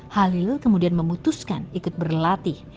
halil kemudian memutuskan ikut berlatih